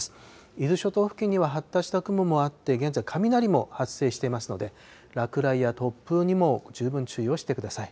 伊豆諸島付近には発達した雲もあって、現在、雷も発生していますので、落雷や突風にも十分注意をしてください。